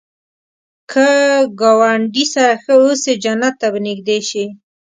که ګاونډي سره ښه اوسې، جنت ته به نږدې شې